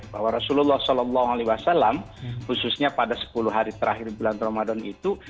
bahwa rasulullah saw khususnya pada sepuluh hari terakhir bulan ramadan itu